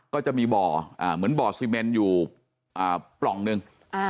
ก็จะมีบ่อเหมือนบ่อซีเมนอยู่ปล่องหนึ่ง